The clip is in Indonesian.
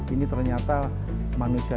ini ternyata manusia